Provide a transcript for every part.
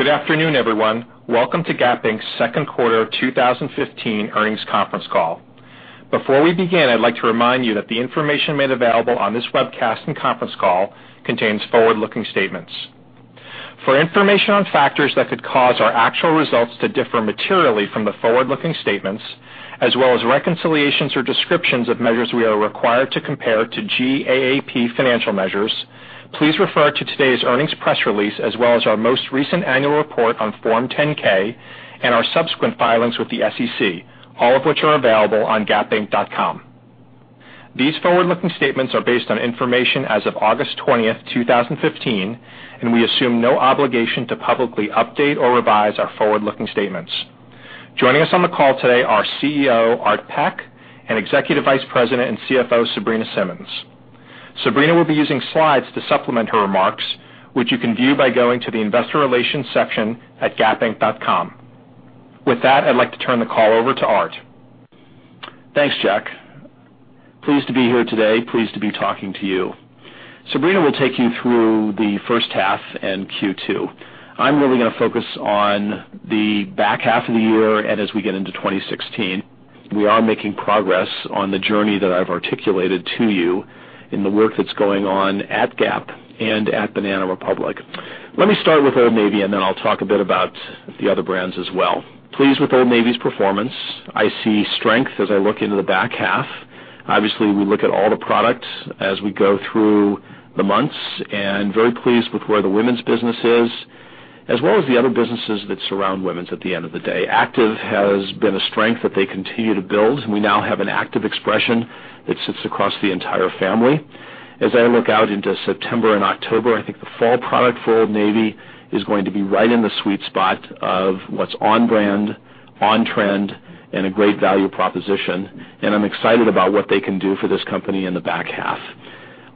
Good afternoon, everyone. Welcome to Gap Inc.'s second quarter of 2015 earnings conference call. Before we begin, I'd like to remind you that the information made available on this webcast and conference call contains forward-looking statements. For information on factors that could cause our actual results to differ materially from the forward-looking statements, as well as reconciliations or descriptions of measures we are required to compare to GAAP financial measures, please refer to today's earnings press release, as well as our most recent annual report on Form 10-K and our subsequent filings with the SEC, all of which are available on gapinc.com. These forward-looking statements are based on information as of August 20th, 2015. We assume no obligation to publicly update or revise our forward-looking statements. Joining us on the call today are CEO, Art, and Executive Vice President and CFO, Sabrina. Sabrina will be using slides to supplement her remarks, which you can view by going to the investor relations section at gapinc.com. With that, I'd like to turn the call over to Art. Thanks, Jack. Pleased to be here today, pleased to be talking to you. Sabrina will take you through the first half and Q2. I'm really going to focus on the back half of the year. As we get into 2016, we are making progress on the journey that I've articulated to you in the work that's going on at Gap and at Banana Republic. Let me start with Old Navy. Then I'll talk a bit about the other brands as well. Pleased with Old Navy's performance. I see strength as I look into the back half. Obviously, we look at all the products as we go through the months. Very pleased with where the women's business is, as well as the other businesses that surround women's at the end of the day. Active has been a strength that they continue to build. We now have an active expression that sits across the entire family. As I look out into September and October, I think the fall product for Old Navy is going to be right in the sweet spot of what's on brand, on trend, a great value proposition. I'm excited about what they can do for this company in the back half.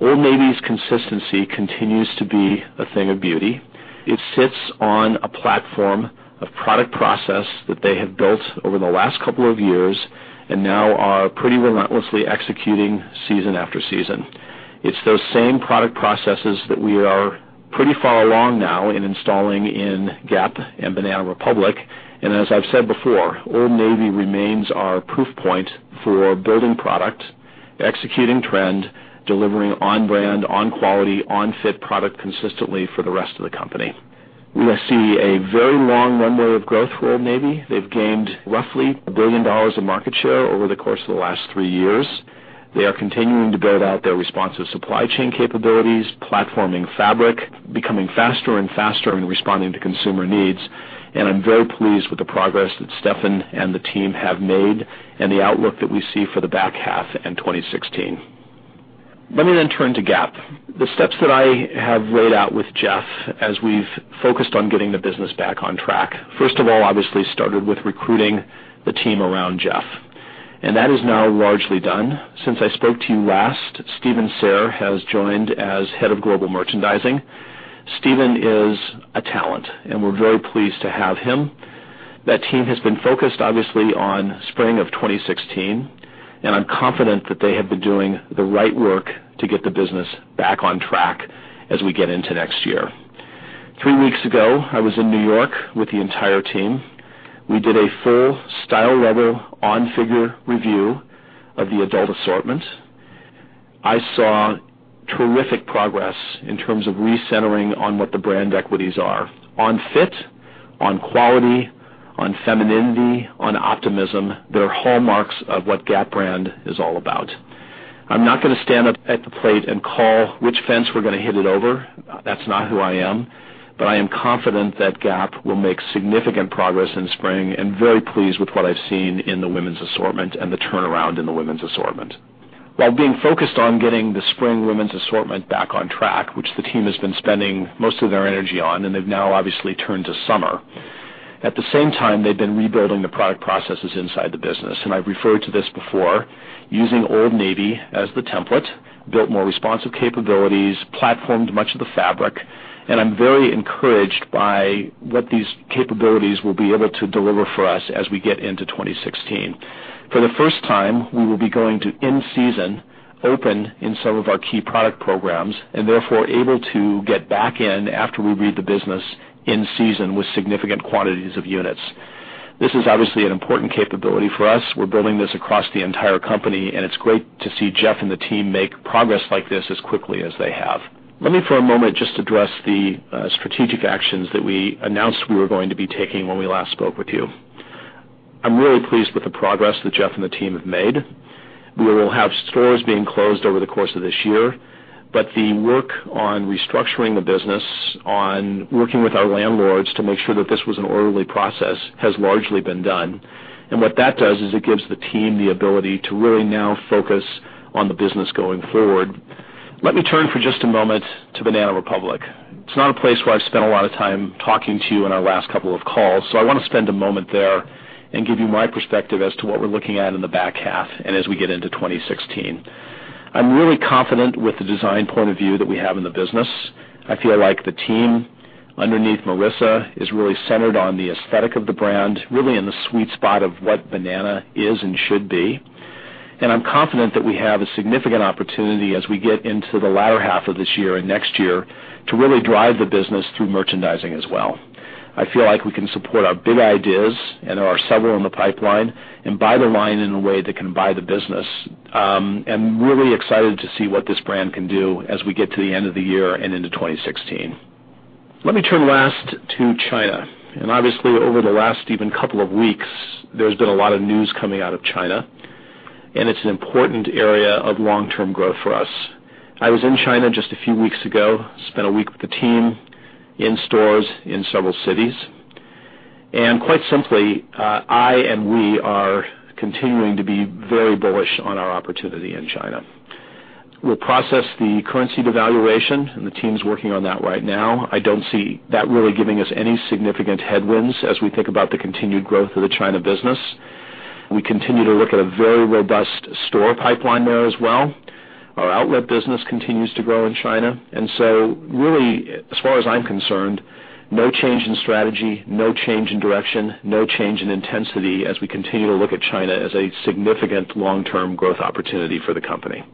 Old Navy's consistency continues to be a thing of beauty. It sits on a platform of product process that they have built over the last couple of years. Now are pretty relentlessly executing season after season. It's those same product processes that we are pretty far along now in installing in Gap and Banana Republic. As I've said before, Old Navy remains our proof point for building product, executing trend, delivering on brand, on quality, on fit product consistently for the rest of the company. We see a very long runway of growth for Old Navy. They've gained roughly $1 billion of market share over the course of the last three years. They are continuing to build out their responsive supply chain capabilities, platforming fabric, becoming faster and faster in responding to consumer needs. I'm very pleased with the progress that Stefan and the team have made and the outlook that we see for the back half and 2016. Let me turn to Gap. The steps that I have laid out with Jeff as we've focused on getting the business back on track. First of all, obviously started with recruiting the team around Jeff, and that is now largely done. Since I spoke to you last, Steven Sayer has joined as Head of Global Merchandising. Steven is a talent, and we're very pleased to have him. That team has been focused, obviously, on spring of 2016. I'm confident that they have been doing the right work to get the business back on track as we get into next year. Three weeks ago, I was in New York with the entire team. We did a full style level on-figure review of the adult assortment. I saw terrific progress in terms of recentering on what the brand equities are. On fit, on quality, on femininity, on optimism. They are hallmarks of what Gap brand is all about. I'm not going to stand up at the plate and call which fence we're going to hit it over. That's not who I am. I am confident that Gap will make significant progress in spring and very pleased with what I've seen in the women's assortment and the turnaround in the women's assortment. While being focused on getting the spring women's assortment back on track, which the team has been spending most of their energy on. They've now obviously turned to summer. At the same time, they've been rebuilding the product processes inside the business. I've referred to this before, using Old Navy as the template, built more responsive capabilities, platformed much of the fabric. I'm very encouraged by what these capabilities will be able to deliver for us as we get into 2016. For the first time, we will be going to in-season open in some of our key product programs and therefore able to get back in after we read the business in season with significant quantities of units. This is obviously an important capability for us. We're building this across the entire company. It's great to see Jeff and the team make progress like this as quickly as they have. Let me, for a moment, just address the strategic actions that we announced we were going to be taking when we last spoke with you. I'm really pleased with the progress that Jeff and the team have made. We will have stores being closed over the course of this year, the work on restructuring the business, on working with our landlords to make sure that this was an orderly process, has largely been done. What that does is it gives the team the ability to really now focus on the business going forward. Let me turn for just a moment to Banana Republic. It's not a place where I've spent a lot of time talking to you in our last couple of calls, so I want to spend a moment there and give you my perspective as to what we're looking at in the back half and as we get into 2016. I'm really confident with the design point of view that we have in the business. I feel like the team underneath Marissa is really centered on the aesthetic of the brand, really in the sweet spot of what Banana Republic is and should be. I'm confident that we have a significant opportunity as we get into the latter half of this year and next year to really drive the business through merchandising as well. I feel like we can support our big ideas, there are several in the pipeline, and buy the line in a way that can buy the business. I'm really excited to see what this brand can do as we get to the end of the year and into 2016. Let me turn last to China. Obviously, over the last even couple of weeks, there's been a lot of news coming out of China, and it's an important area of long-term growth for us. I was in China just a few weeks ago, spent a week with the team, in stores, in several cities. Quite simply, I and we are continuing to be very bullish on our opportunity in China. We'll process the currency devaluation, and the team's working on that right now. I don't see that really giving us any significant headwinds as we think about the continued growth of the China business. We continue to look at a very robust store pipeline there as well. Our outlet business continues to grow in China, really, as far as I'm concerned, no change in strategy, no change in direction, no change in intensity as we continue to look at China as a significant long-term growth opportunity for the company.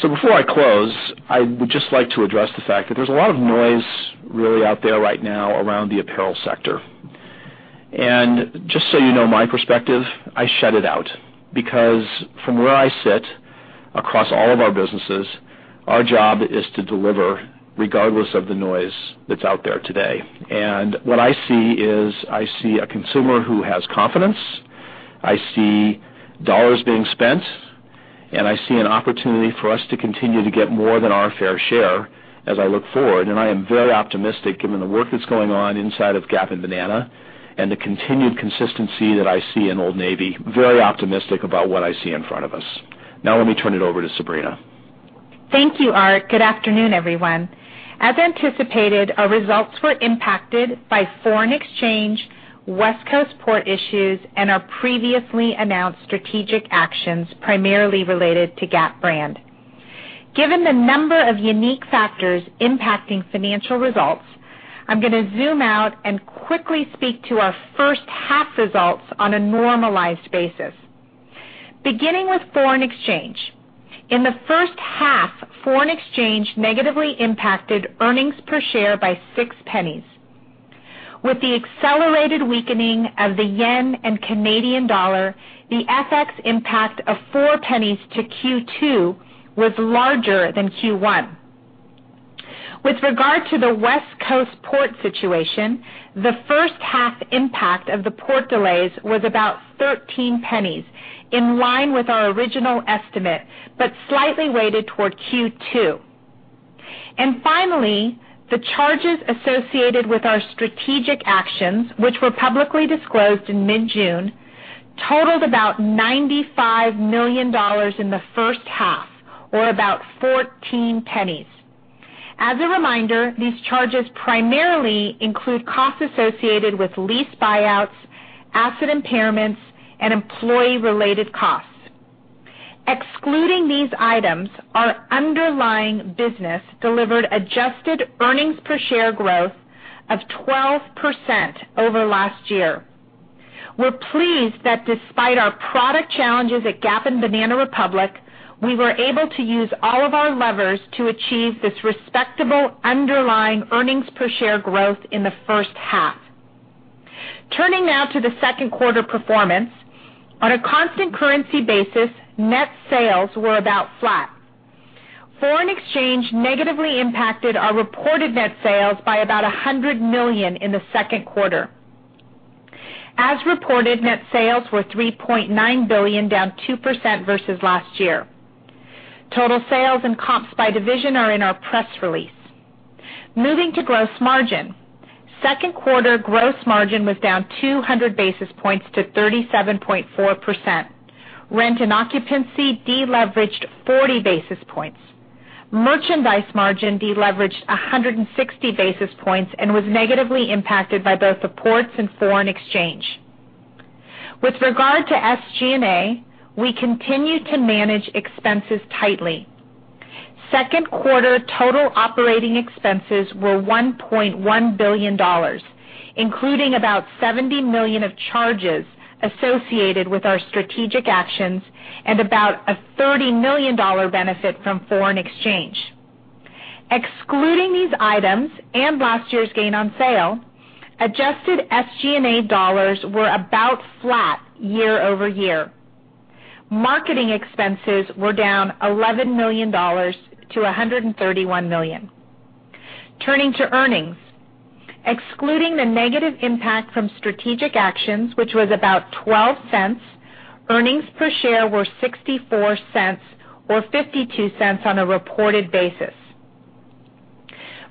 Before I close, I would just like to address the fact that there's a lot of noise really out there right now around the apparel sector. Just so you know my perspective, I shut it out because from where I sit across all of our businesses, our job is to deliver regardless of the noise that's out there today. What I see is I see a consumer who has confidence. I see dollars being spent, and I see an opportunity for us to continue to get more than our fair share as I look forward. I am very optimistic given the work that's going on inside of Gap and Banana Republic and the continued consistency that I see in Old Navy. Very optimistic about what I see in front of us. Let me turn it over to Sabrina. Thank you, Art. Good afternoon, everyone. As anticipated, our results were impacted by foreign exchange, West Coast port issues, and our previously announced strategic actions, primarily related to Gap brand. Given the number of unique factors impacting financial results, I'm going to zoom out and quickly speak to our first half results on a normalized basis. Beginning with foreign exchange. In the first half, foreign exchange negatively impacted earnings per share by $0.06. With the accelerated weakening of the JPY and CAD, the FX impact of $0.04 to Q2 was larger than Q1. With regard to the West Coast port situation, the first half impact of the port delays was about $0.13, in line with our original estimate, but slightly weighted toward Q2. Finally, the charges associated with our strategic actions, which were publicly disclosed in mid-June, totaled about $95 million in the first half, or about $0.14. As a reminder, these charges primarily include costs associated with lease buyouts, asset impairments, and employee-related costs. Excluding these items, our underlying business delivered adjusted earnings per share growth of 12% over last year. We're pleased that despite our product challenges at Gap and Banana Republic, we were able to use all of our levers to achieve this respectable underlying earnings per share growth in the first half. Turning now to the second quarter performance. On a constant currency basis, net sales were about flat. Foreign exchange negatively impacted our reported net sales by about $100 million in the second quarter. As reported, net sales were $3.9 billion, down 2% versus last year. Total sales and comps by division are in our press release. Moving to gross margin. Second quarter gross margin was down 200 basis points to 37.4%. Rent and occupancy deleveraged 40 basis points. Merchandise margin deleveraged 160 basis points and was negatively impacted by both the ports and foreign exchange. With regard to SG&A, we continue to manage expenses tightly. Second quarter total operating expenses were $1.1 billion, including about $70 million of charges associated with our strategic actions and about a $30 million benefit from foreign exchange. Excluding these items and last year's gain on sale, adjusted SG&A dollars were about flat year-over-year. Marketing expenses were down $11 million to $131 million. Turning to earnings. Excluding the negative impact from strategic actions, which was about $0.12, earnings per share were $0.64 or $0.52 on a reported basis.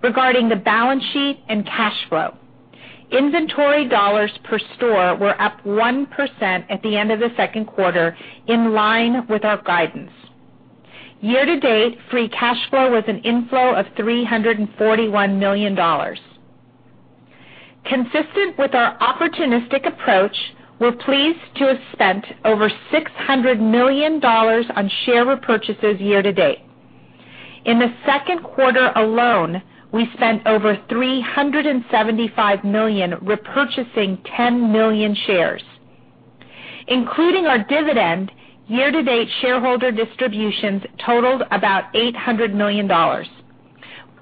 Regarding the balance sheet and cash flow. Inventory dollars per store were up 1% at the end of the second quarter, in line with our guidance. Year-to-date, free cash flow was an inflow of $341 million. Consistent with our opportunistic approach, we're pleased to have spent over $600 million on share repurchases year-to-date. In the second quarter alone, we spent over $375 million repurchasing 10 million shares. Including our dividend, year-to-date shareholder distributions totaled about $800 million.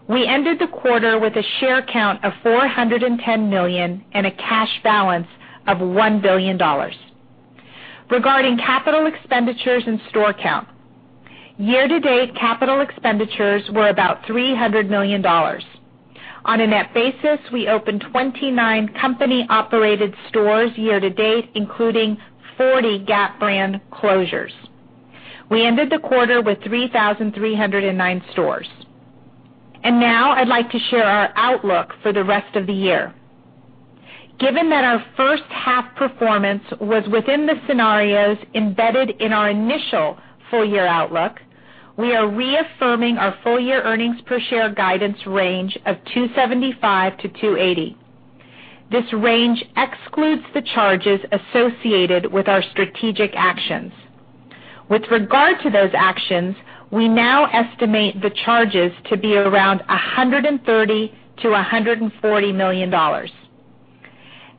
We ended the quarter with a share count of 410 million and a cash balance of $1 billion. Regarding capital expenditures and store count. Year-to-date capital expenditures were about $300 million. On a net basis, we opened 29 company-operated stores year-to-date, including 40 Gap brand closures. We ended the quarter with 3,309 stores. Now I'd like to share our outlook for the rest of the year. Given that our first half performance was within the scenarios embedded in our initial full-year outlook, we are reaffirming our full-year earnings per share guidance range of $2.75-$2.80. This range excludes the charges associated with our strategic actions. With regard to those actions, we now estimate the charges to be around $130 million-$140 million.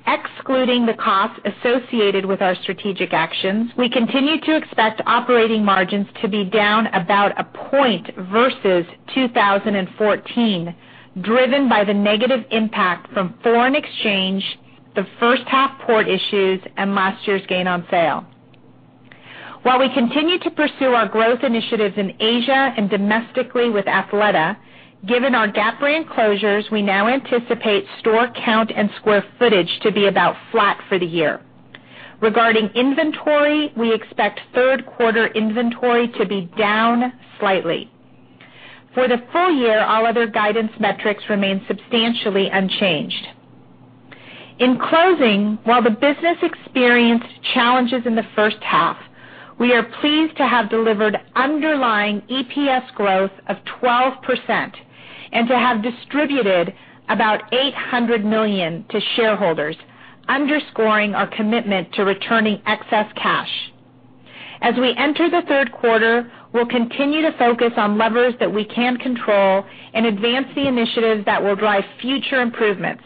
Excluding the costs associated with our strategic actions, we continue to expect operating margins to be down about a point versus 2014, driven by the negative impact from foreign exchange, the first half port issues, and last year's gain on sale. While we continue to pursue our growth initiatives in Asia and domestically with Athleta, given our Gap brand closures, we now anticipate store count and square footage to be about flat for the year. Regarding inventory, we expect third quarter inventory to be down slightly. For the full year, all other guidance metrics remain substantially unchanged. In closing, while the business experienced challenges in the first half, we are pleased to have delivered underlying EPS growth of 12% and to have distributed about $800 million to shareholders, underscoring our commitment to returning excess cash. As we enter the third quarter, we will continue to focus on levers that we can control and advance the initiatives that will drive future improvements.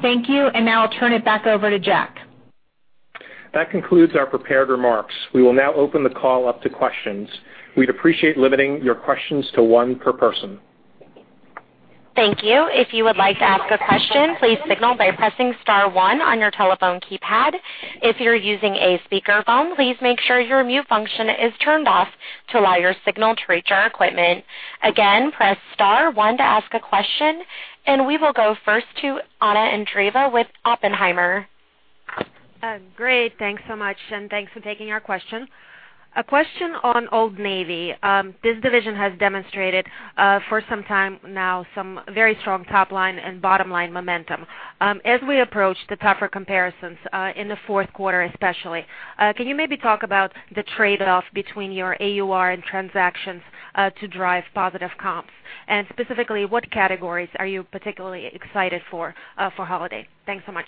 Thank you, and now I will turn it back over to Jack. That concludes our prepared remarks. We will now open the call up to questions. We would appreciate limiting your questions to one per person. Thank you. If you would like to ask a question, please signal by pressing *1 on your telephone keypad. If you are using a speakerphone, please make sure your mute function is turned off to allow your signal to reach our equipment. Again, press *1 to ask a question, and we will go first to Anna Andreeva with Oppenheimer. Great. Thanks so much. Thanks for taking our question. A question on Old Navy. This division has demonstrated, for some time now, some very strong top-line and bottom-line momentum. As we approach the tougher comparisons, in the fourth quarter especially, can you maybe talk about the trade-off between your AUR and transactions, to drive positive comps? Specifically, what categories are you particularly excited for holiday? Thanks so much.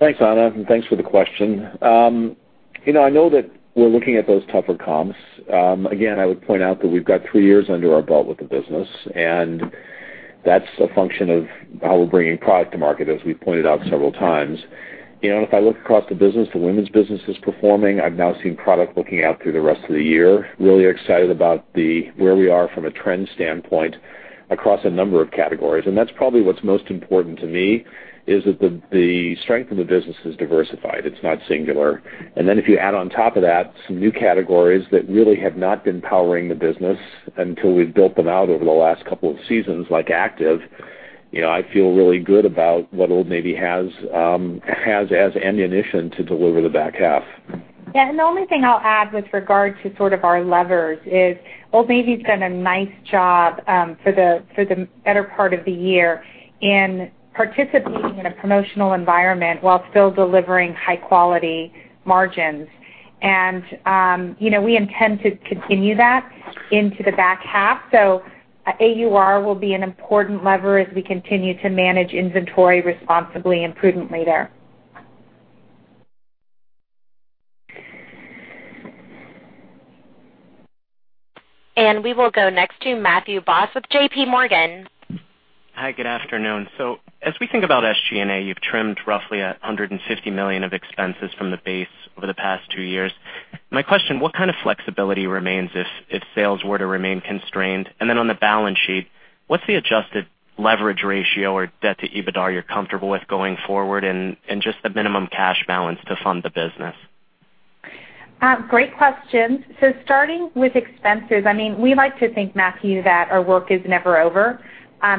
Thanks, Anna. Thanks for the question. I know that we're looking at those tougher comps. Again, I would point out that we've got three years under our belt with the business, that's a function of how we're bringing product to market, as we've pointed out several times. If I look across the business, the women's business is performing. I've now seen product looking out through the rest of the year. Really excited about where we are from a trend standpoint across a number of categories. That's probably what's most important to me, is that the strength of the business is diversified. It's not singular. Then if you add on top of that some new categories that really have not been powering the business until we've built them out over the last couple of seasons, like active, I feel really good about what Old Navy has as ammunition to deliver the back half. Yeah. The only thing I'll add with regard to sort of our levers is Old Navy's done a nice job, for the better part of the year, in participating in a promotional environment while still delivering high-quality margins. We intend to continue that into the back half. AUR will be an important lever as we continue to manage inventory responsibly and prudently there. We will go next to Matthew Boss with J.P. Morgan. Hi, good afternoon. As we think about SG&A, you've trimmed roughly $150 million of expenses from the base over the past 2 years. My question, what kind of flexibility remains if sales were to remain constrained? On the balance sheet, what's the adjusted leverage ratio or debt to EBITDA you're comfortable with going forward and just the minimum cash balance to fund the business? Great questions. Starting with expenses, we like to think, Matthew, that our work is never over.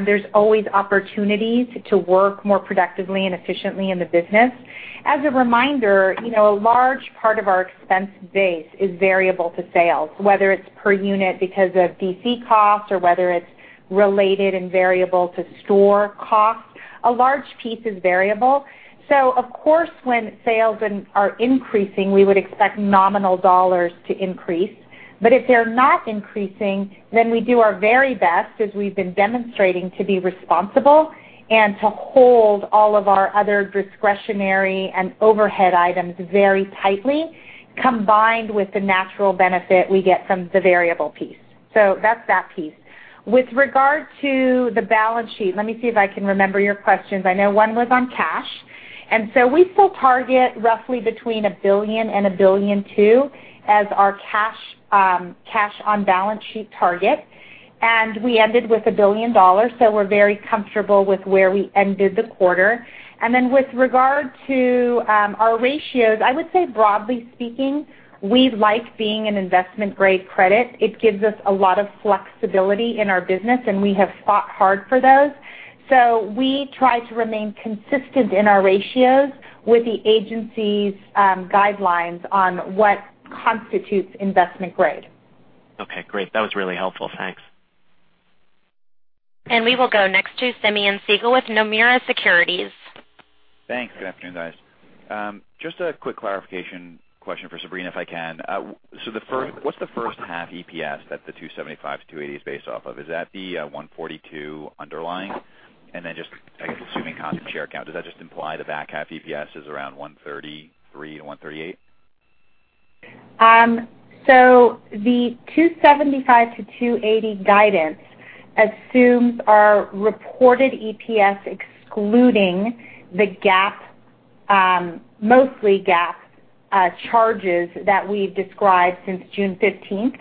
There's always opportunities to work more productively and efficiently in the business. As a reminder, a large part of our expense base is variable to sales, whether it's per unit because of DC costs or whether it's related and variable to store costs. A large piece is variable. Of course, when sales are increasing, we would expect nominal dollars to increase. If they're not increasing, then we do our very best, as we've been demonstrating, to be responsible and to hold all of our other discretionary and overhead items very tightly, combined with the natural benefit we get from the variable piece. That's that piece. With regard to the balance sheet, let me see if I can remember your questions. I know one was on cash. We still target roughly between $1 billion and $1.2 billion as our cash on balance sheet target. We ended with $1 billion. We're very comfortable with where we ended the quarter. With regard to our ratios, I would say broadly speaking, we like being an investment-grade credit. It gives us a lot of flexibility in our business, and we have fought hard for those. We try to remain consistent in our ratios with the agency's guidelines on what constitutes investment grade. Okay, great. That was really helpful. Thanks. We will go next to Simeon Siegel with Nomura Securities. Thanks. Good afternoon, guys. Just a quick clarification question for Sabrina, if I can. What's the first half EPS that the $2.75-$2.80 is based off of? Is that the $1.42 underlying? Then just, I guess, assuming constant share count, does that just imply the back half EPS is around $1.33-$1.38? The $2.75-$2.80 guidance assumes our reported EPS, excluding the mostly GAAP charges that we've described since June 15th.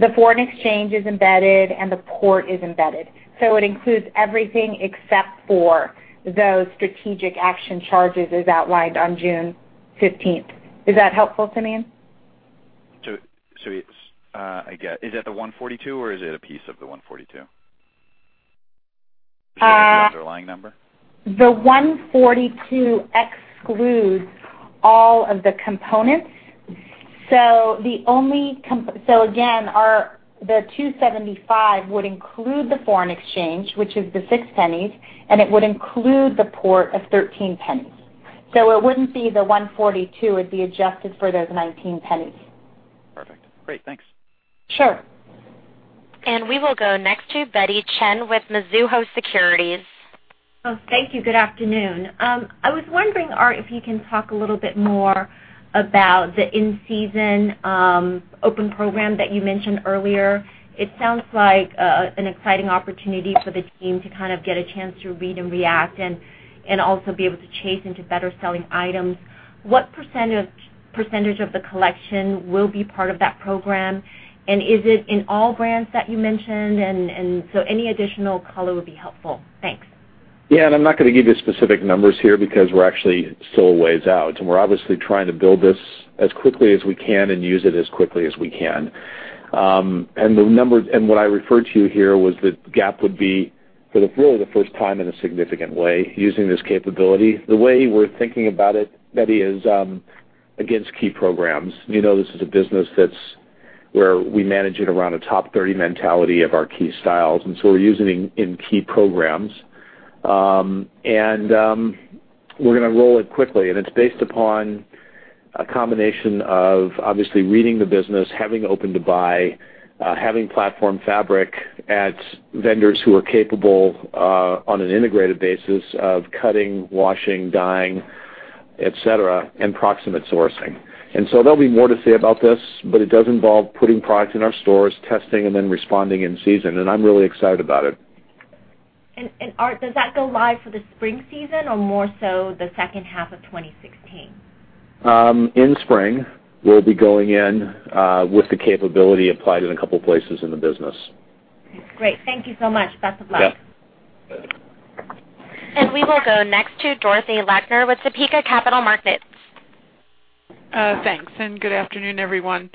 The foreign exchange is embedded, and the port is embedded. It includes everything except for those strategic action charges as outlined on June 15th. Is that helpful, Simeon? I guess, is that the $1.42, or is it a piece of the $1.42? Is that the underlying number? The $1.42 excludes all of the components. Again, the $2.75 would include the foreign exchange, which is the $0.06, and it would include the port of $0.13. It wouldn't be the $1.42. It'd be adjusted for those $0.19. Perfect. Great. Thanks. Sure. We will go next to Betty Chen with Mizuho Securities. Oh, thank you. Good afternoon. I was wondering, Art, if you can talk a little bit more about the in-season open program that you mentioned earlier. It sounds like an exciting opportunity for the team to kind of get a chance to read and react and also be able to chase into better selling items. What % of the collection will be part of that program, and is it in all brands that you mentioned? Any additional color would be helpful. Thanks. Yeah. I'm not going to give you specific numbers here because we're actually still a ways out, and we're obviously trying to build this as quickly as we can and use it as quickly as we can. What I referred to here was that Gap would be, for the first time in a significant way, using this capability. The way we're thinking about it, Betty, is against key programs. You know this is a business where we manage it around a top 30 mentality of our key styles, we're using in key programs. We're gonna roll it quickly, and it's based upon a combination of obviously reading the business, having open to buy, having platform fabric at vendors who are capable on an integrated basis of cutting, washing, dyeing, et cetera, and proximate sourcing. There'll be more to say about this, but it does involve putting product in our stores, testing, and then responding in season, and I'm really excited about it. Art, does that go live for the spring season or more so the second half of 2016? In spring, we'll be going in with the capability applied in a couple of places in the business. Great. Thank you so much. Best of luck. Yeah. We will go next to Dorothy Lakner with Topeka Capital Markets. Thanks, good afternoon, everyone.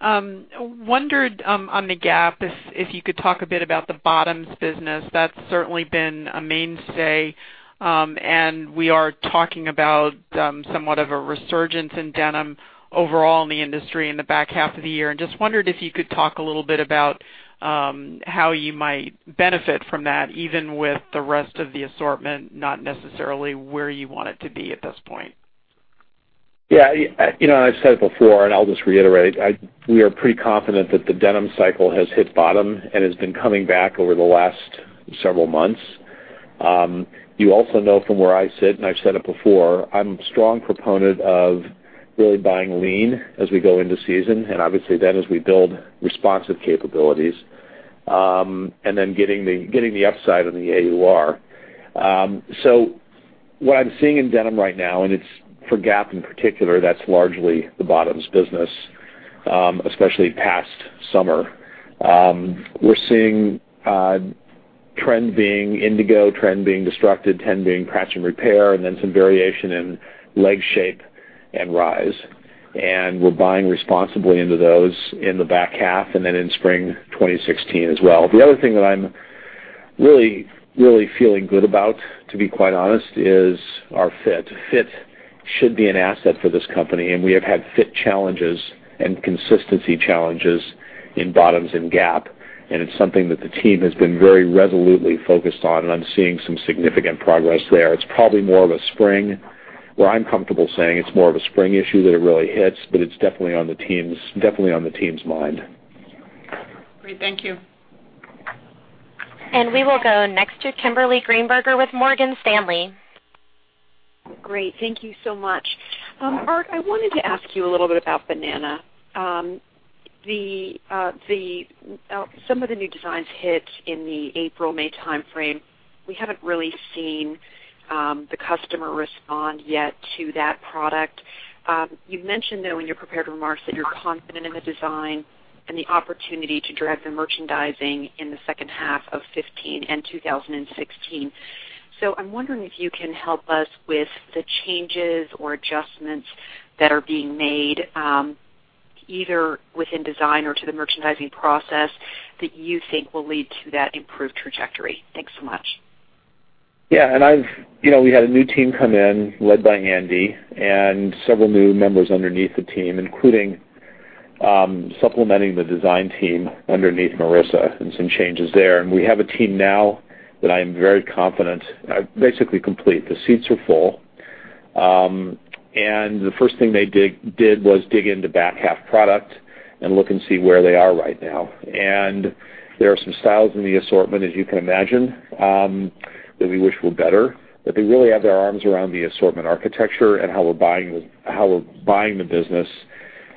Wondered on the Gap, if you could talk a bit about the bottoms business. That's certainly been a mainstay. We are talking about somewhat of a resurgence in denim overall in the industry in the back half of the year. Just wondered if you could talk a little bit about how you might benefit from that, even with the rest of the assortment, not necessarily where you want it to be at this point. Yeah. I've said it before, and I'll just reiterate. We are pretty confident that the denim cycle has hit bottom and has been coming back over the last several months. You also know from where I sit, and I've said it before, I'm a strong proponent of really buying lean as we go into season, obviously then as we build responsive capabilities, and then getting the upside on the AUR. What I'm seeing in denim right now, and for Gap, in particular, that's largely the bottoms business, especially past summer. We're seeing a trend being indigo, trend being destructed, trend being crash and repair, and then some variation in leg shape and rise. We're buying responsibly into those in the back half and then in spring 2016 as well. The other thing that I'm really feeling good about, to be quite honest, is our fit. Fit should be an asset for this company. We have had fit challenges and consistency challenges in bottoms in Gap, and it's something that the team has been very resolutely focused on, and I'm seeing some significant progress there. It's probably more of a spring issue that it really hits, but it's definitely on the team's mind. Great. Thank you. We will go next to Kimberly Greenberger with Morgan Stanley. Great. Thank you so much. Art, I wanted to ask you a little bit about Banana. Some of the new designs hit in the April, May timeframe. We haven't really seen the customer respond yet to that product. You've mentioned, though, in your prepared remarks that you're confident in the design and the opportunity to drive the merchandising in the second half of 2015 and 2016. I'm wondering if you can help us with the changes or adjustments that are being made, either within design or to the merchandising process, that you think will lead to that improved trajectory. Thanks so much. We had a new team come in, led by Andi, and several new members underneath the team, including supplementing the design team underneath Marissa and some changes there. We have a team now that I am very confident, basically complete. The seats are full. The first thing they did was dig into back half product and look and see where they are right now. There are some styles in the assortment, as you can imagine, that we wish were better. They really have their arms around the assortment architecture and how we're buying the business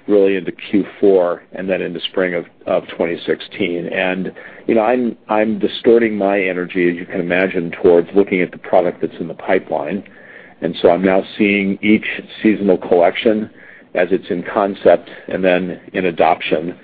really into Q4 and then into spring of 2016. I'm distorting my energy, as you can imagine, towards looking at the product that's in the pipeline. I'm now seeing each seasonal collection as it's in concept and then in adoption.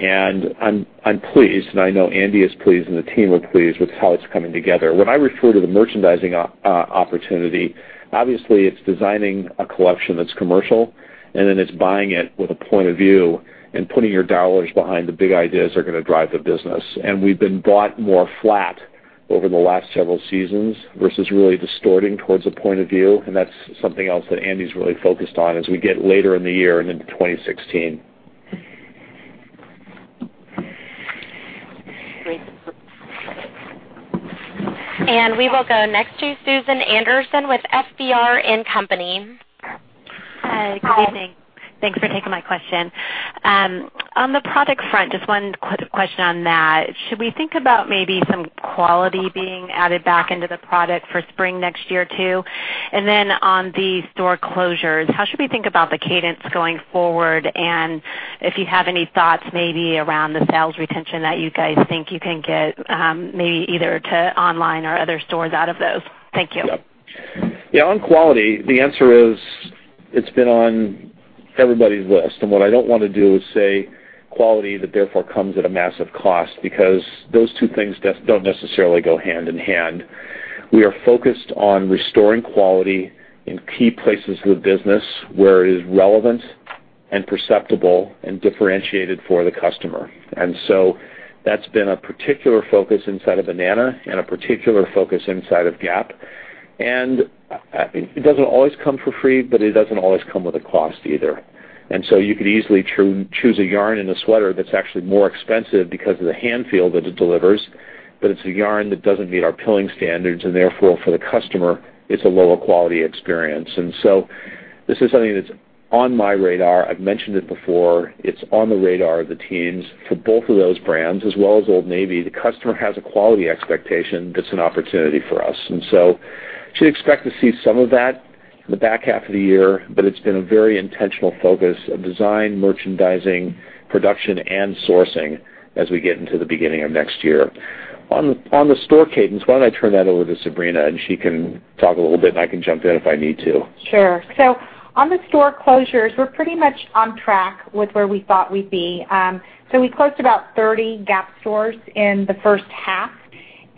I'm pleased, and I know Andi is pleased, and the team are pleased with how it's coming together. When I refer to the merchandising opportunity, obviously, it's designing a collection that's commercial, and then it's buying it with a point of view and putting your dollars behind the big ideas that are going to drive the business. We've been bought more flat over the last several seasons versus really distorting towards a point of view, and that's something else that Andi's really focused on as we get later in the year and into 2016. Great. We will go next to Susan Anderson with FBR & Company. Hi. Good evening. Thanks for taking my question. On the product front, just one quick question on that. Should we think about maybe some quality being added back into the product for spring next year, too? On the store closures, how should we think about the cadence going forward? If you have any thoughts maybe around the sales retention that you guys think you can get, maybe either to online or other stores out of those. Thank you. Yep. Yeah, on quality, the answer is it's been on everybody's list. What I don't want to do is say quality that therefore comes at a massive cost because those two things don't necessarily go hand in hand. We are focused on restoring quality in key places of the business where it is relevant and perceptible and differentiated for the customer. That's been a particular focus inside of Banana and a particular focus inside of Gap. It doesn't always come for free, but it doesn't always come with a cost either. You could easily choose a yarn and a sweater that's actually more expensive because of the hand feel that it delivers, but it's a yarn that doesn't meet our pilling standards, and therefore, for the customer, it's a lower quality experience. This is something that's on my radar. I've mentioned it before. It's on the radar of the teams for both of those brands as well as Old Navy. The customer has a quality expectation that's an opportunity for us. Should expect to see some of that in the back half of the year, but it's been a very intentional focus of design, merchandising, production, and sourcing as we get into the beginning of next year. On the store cadence, why don't I turn that over to Sabrina, and she can talk a little bit, and I can jump in if I need to. Sure. On the store closures, we're pretty much on track with where we thought we'd be. We closed about 40 Gap stores in the first half,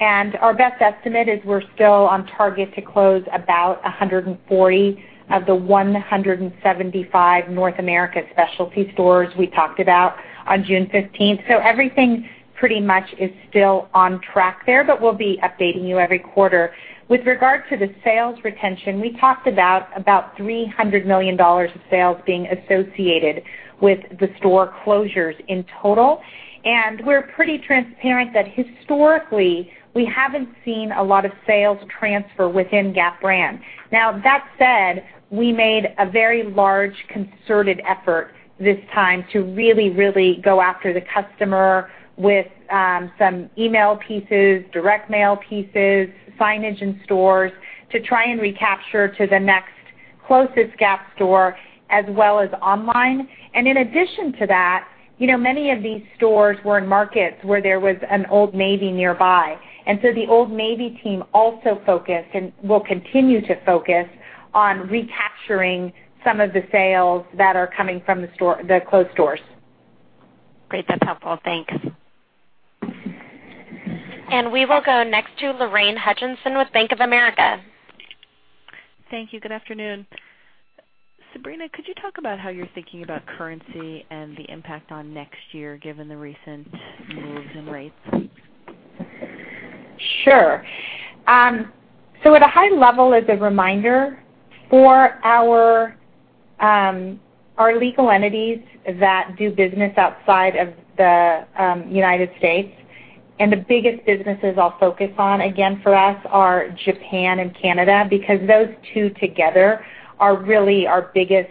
and our best estimate is we're still on target to close about 140 of the 175 North America specialty stores we talked about on June 15th. Everything pretty much is still on track there, but we'll be updating you every quarter. With regard to the sales retention, we talked about $300 million of sales being associated with the store closures in total, and we're pretty transparent that historically, we haven't seen a lot of sales transfer within Gap brand. That said, we made a very large concerted effort this time to really go after the customer with some email pieces, direct mail pieces, signage in stores to try and recapture to the next closest Gap store as well as online. In addition to that, many of these stores were in markets where there was an Old Navy nearby. The Old Navy team also focused and will continue to focus on recapturing some of the sales that are coming from the closed stores. Great. That's helpful. Thanks. We will go next to Lorraine Hutchinson with Bank of America. Thank you. Good afternoon. Sabrina, could you talk about how you're thinking about currency and the impact on next year, given the recent moves in rates? Sure. At a high level, as a reminder, for our legal entities that do business outside of the U.S., and the biggest businesses I'll focus on, again, for us are Japan and Canada, because those two together are really our biggest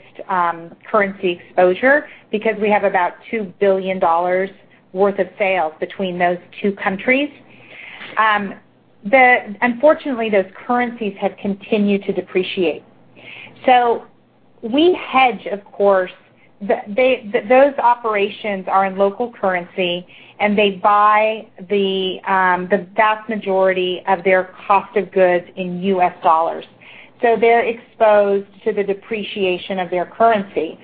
currency exposure because we have about $2 billion worth of sales between those two countries. Unfortunately, those currencies have continued to depreciate. We hedge, of course. Those operations are in local currency, and they buy the vast majority of their cost of goods in U.S. dollars. They're exposed to the depreciation of their currency.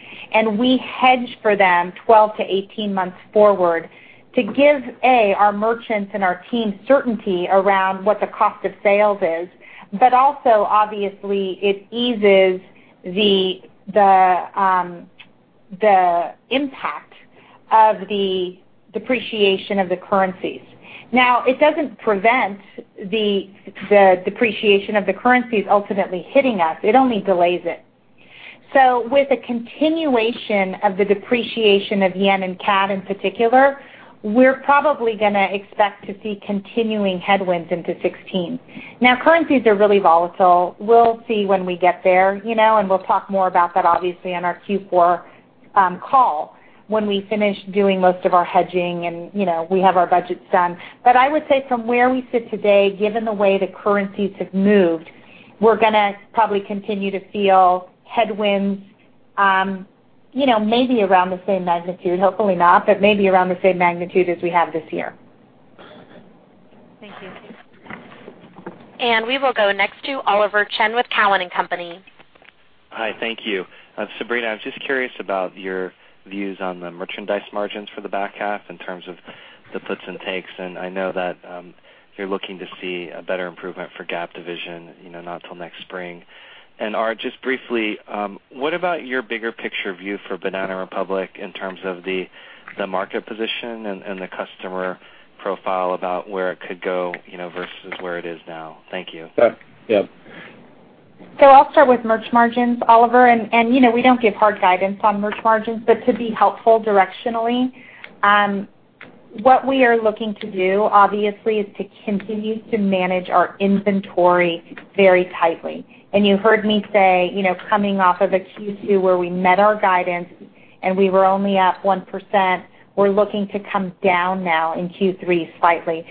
We hedge for them 12 to 18 months forward to give, A, our merchants and our team certainty around what the cost of sales is. Also, obviously, it eases the impact of the depreciation of the currencies. It doesn't prevent the depreciation of the currencies ultimately hitting us. It only delays it. With a continuation of the depreciation of yen and CAD in particular, we're probably going to expect to see continuing headwinds into 2016. Currencies are really volatile. We'll see when we get there, and we'll talk more about that, obviously, on our Q4 call when we finish doing most of our hedging and we have our budgets done. I would say from where we sit today, given the way the currencies have moved, we're going to probably continue to feel headwinds, maybe around the same magnitude, hopefully not, but maybe around the same magnitude as we have this year. Thank you. We will go next to Oliver Chen with Cowen and Company. Hi, thank you. Sabrina, I was just curious about your views on the merchandise margins for the back half in terms of the puts and takes. I know that you're looking to see a better improvement for Gap division, not till next spring. Art, just briefly, what about your bigger picture view for Banana Republic in terms of the market position and the customer profile about where it could go versus where it is now? Thank you. I'll start with merch margins, Oliver. We don't give hard guidance on merch margins, but to be helpful directionally, what we are looking to do, obviously, is to continue to manage our inventory very tightly. You heard me say, coming off of a Q2 where we met our guidance and we were only up 1%, we're looking to come down now in Q3 slightly.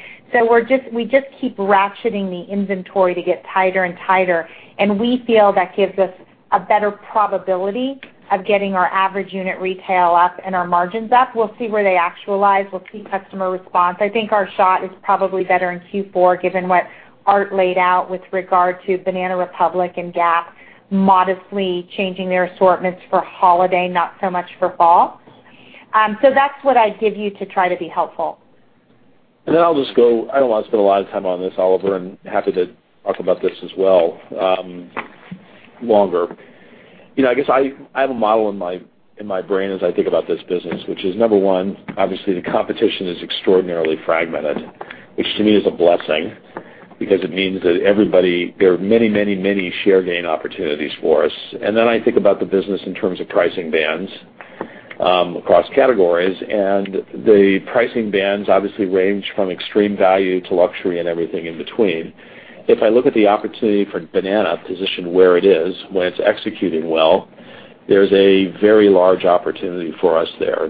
We just keep ratcheting the inventory to get tighter and tighter, and we feel that gives us a better probability of getting our average unit retail up and our margins up. We'll see where they actualize. We'll see customer response. I think our shot is probably better in Q4, given what Art laid out with regard to Banana Republic and Gap modestly changing their assortments for holiday, not so much for fall. That's what I'd give you to try to be helpful. I'll just go. I don't want to spend a lot of time on this, Oliver, and happy to talk about this as well longer. I guess I have a model in my brain as I think about this business, which is, number one, obviously the competition is extraordinarily fragmented, which to me is a blessing because it means that there are many share gain opportunities for us. I think about the business in terms of pricing bands across categories, and the pricing bands obviously range from extreme value to luxury and everything in between. If I look at the opportunity for Banana positioned where it is, when it's executing well, there's a very large opportunity for us there.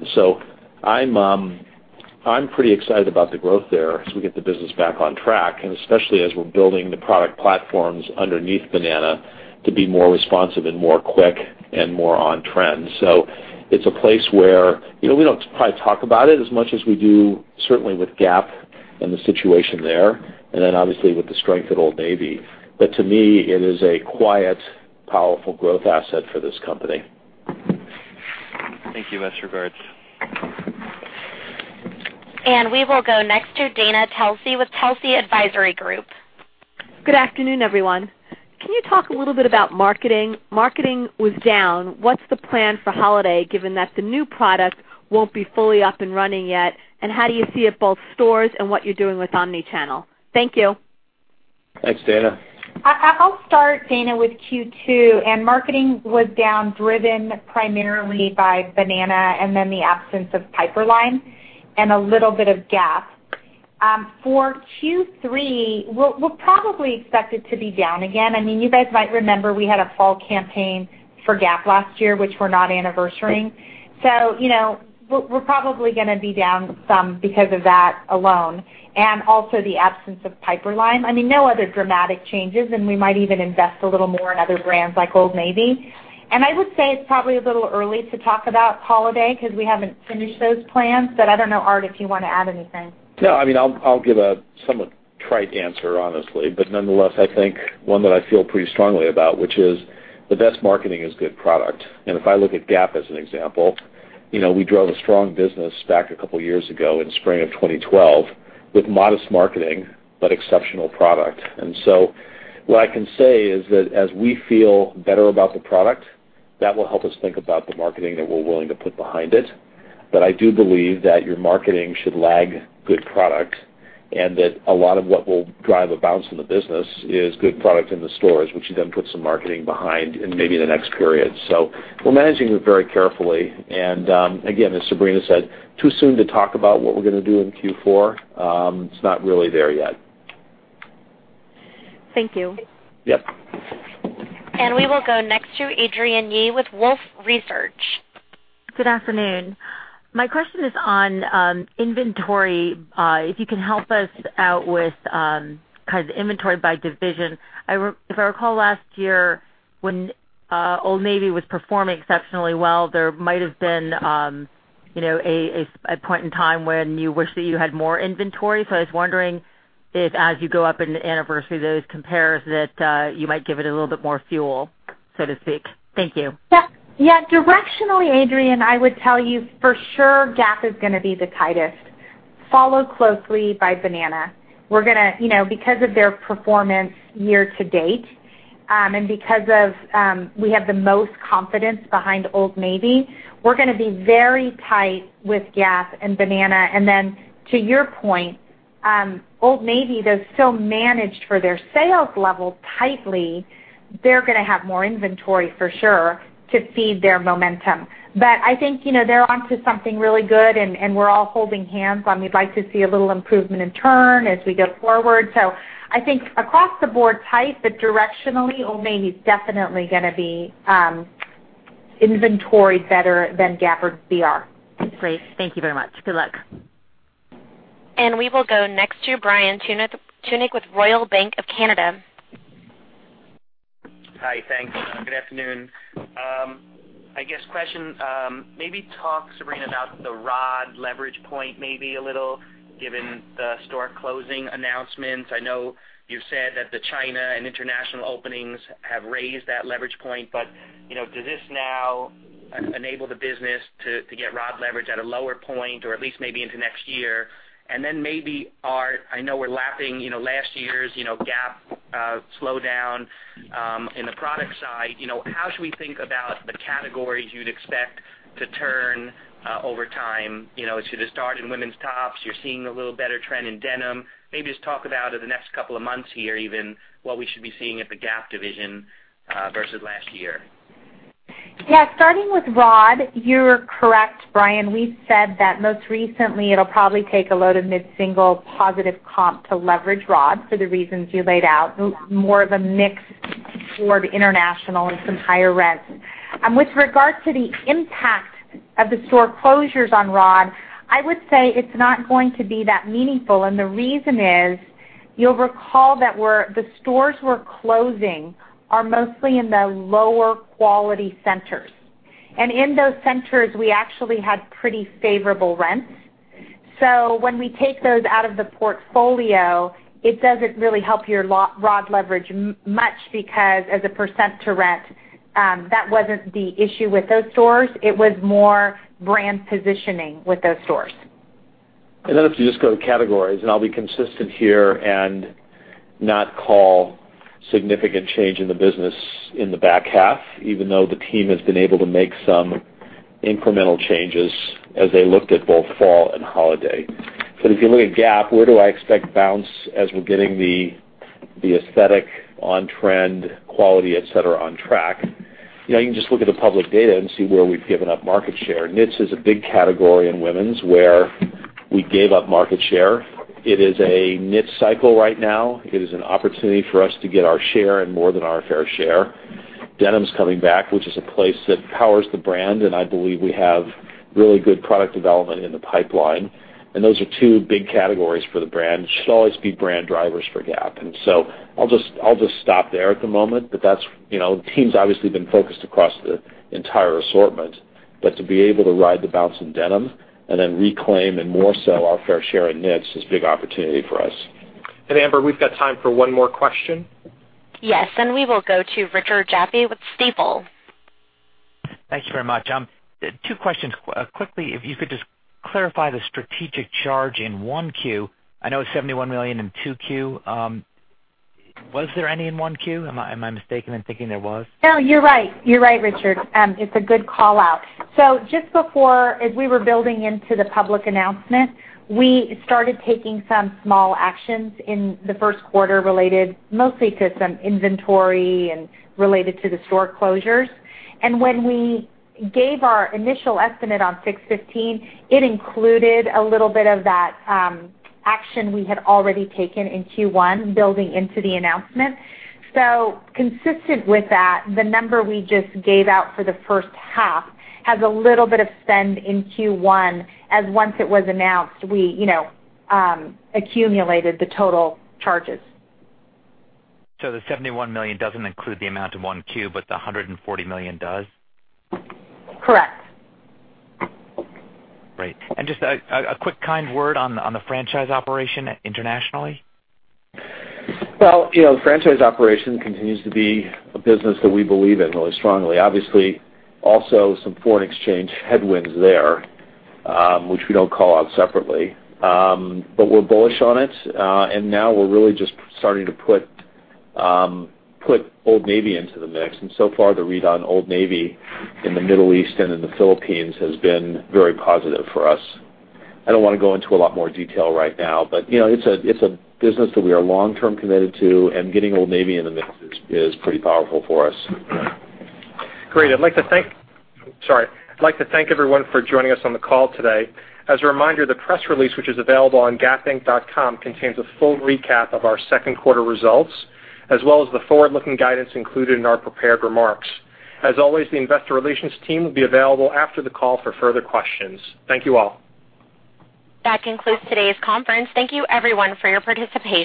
I'm pretty excited about the growth there as we get the business back on track, and especially as we're building the product platforms underneath Banana to be more responsive and more quick and more on-trend. It's a place where we don't probably talk about it as much as we do, certainly with Gap and the situation there, and then obviously with the strength of Old Navy. To me, it is a quiet, powerful growth asset for this company. Thank you. Best regards. We will go next to Dana Telsey with Telsey Advisory Group. Good afternoon, everyone. Can you talk a little bit about marketing? Marketing was down. What's the plan for holiday, given that the new product won't be fully up and running yet? How do you see it both stores and what you're doing with omnichannel? Thank you. Thanks, Dana. I'll start, Dana, with Q2. Marketing was down, driven primarily by Banana and then the absence of Piperlime and a little bit of Gap. For Q3, we'll probably expect it to be down again. You guys might remember we had a fall campaign for Gap last year, which we're not anniversarying. We're probably going to be down some because of that alone and also the absence of Piperlime. No other dramatic changes, and we might even invest a little more in other brands like Old Navy. I would say it's probably a little early to talk about holiday because we haven't finished those plans. I don't know, Art, if you want to add anything. No, I'll give a somewhat trite answer, honestly. Nonetheless, I think one that I feel pretty strongly about, which is the best marketing is good product. If I look at Gap as an example, we drove a strong business back a couple of years ago in spring of 2012 with modest marketing but exceptional product. What I can say is that as we feel better about the product, that will help us think about the marketing that we're willing to put behind it. I do believe that your marketing should lag good product, and that a lot of what will drive a bounce in the business is good product in the stores, which you then put some marketing behind in maybe the next period. We're managing it very carefully. Again, as Sabrina said, too soon to talk about what we're going to do in Q4. It's not really there yet. Thank you. Yep. We will go next to Adrienne Yih with Wolfe Research. Good afternoon. My question is on inventory. If you can help us out with inventory by division. If I recall last year when Old Navy was performing exceptionally well, there might have been a point in time when you wish that you had more inventory. I was wondering if as you go up into anniversary, those compares that you might give it a little bit more fuel, so to speak. Thank you. Yeah. Directionally, Adrienne, I would tell you for sure Gap is going to be the tightest, followed closely by Banana. Because of their performance year to date, and because we have the most confidence behind Old Navy, we're going to be very tight with Gap and Banana. Then to your point, Old Navy, they're so managed for their sales level tightly, they're going to have more inventory for sure to feed their momentum. I think they're onto something really good, and we're all holding hands, and we'd like to see a little improvement in turn as we go forward. I think across the board tight, but directionally, Old Navy is definitely going to be inventoried better than Gap or BR. Great. Thank you very much. Good luck. We will go next to Brian Tunick with Royal Bank of Canada. Hi. Thanks. Good afternoon. I guess question, maybe talk, Sabrina, about the ROD leverage point maybe a little, given the store closing announcements. I know you've said that the China and international openings have raised that leverage point, but does this now enable the business to get ROD leverage at a lower point or at least maybe into next year? Maybe, Art, I know we're lapping last year's Gap slowdown in the product side. How should we think about the categories you'd expect to turn over time? You see the start in women's tops. You're seeing a little better trend in denim. Maybe just talk about the next couple of months here even, what we should be seeing at the Gap division versus last year. Yeah. Starting with ROD, you're correct, Brian. We've said that most recently, it'll probably take a low to mid-single positive comp to leverage ROD for the reasons you laid out. More of a mix toward international and some higher rents. In those centers, we actually had pretty favorable rents. When we take those out of the portfolio, it doesn't really help your ROD leverage much because as a percent to rent, that wasn't the issue with those stores. It was more brand positioning with those stores. If you just go to categories, I'll be consistent here and not call significant change in the business in the back half, even though the team has been able to make some incremental changes as they looked at both fall and holiday. If you look at Gap, where do I expect bounce as we're getting the aesthetic on-trend quality, et cetera, on track? You can just look at the public data and see where we've given up market share. Knits is a big category in women's where we gave up market share. It is a knit cycle right now. It is an opportunity for us to get our share and more than our fair share. Denim's coming back, which is a place that powers the brand, and I believe we have really good product development in the pipeline. Those are two big categories for the brand, should always be brand drivers for Gap. I'll just stop there at the moment. The team's obviously been focused across the entire assortment, but to be able to ride the bounce in denim and then reclaim and more so our fair share in knits is big opportunity for us. Amber, we've got time for one more question. Yes. We will go to Richard Jaffe with Stifel. Thanks very much. Two questions. Quickly, if you could just clarify the strategic charge in 1Q. I know it's $71 million in 2Q. Was there any in 1Q? Am I mistaken in thinking there was? No, you're right. You're right, Richard. It's a good call-out. Just before, as we were building into the public announcement, we started taking some small actions in the first quarter related mostly to some inventory and related to the store closures. When we gave our initial estimate on six fifteen, it included a little bit of that action we had already taken in Q1 building into the announcement. Consistent with that, the number we just gave out for the first half has a little bit of spend in Q1 as once it was announced, we accumulated the total charges. The $71 million doesn't include the amount in 1Q, but the $140 million does? Correct. Great. Just a quick kind word on the franchise operation internationally. The franchise operation continues to be a business that we believe in really strongly. Also some foreign exchange headwinds there, which we don't call out separately. We're bullish on it. Now we're really just starting to put Old Navy into the mix. So far, the read on Old Navy in the Middle East and in the Philippines has been very positive for us. I don't want to go into a lot more detail right now, but it's a business that we are long-term committed to, and getting Old Navy in the mix is pretty powerful for us. Great. I'd like to thank everyone for joining us on the call today. As a reminder, the press release, which is available on gapinc.com, contains a full recap of our second quarter results, as well as the forward-looking guidance included in our prepared remarks. As always, the investor relations team will be available after the call for further questions. Thank you all. That concludes today's conference. Thank you everyone for your participation.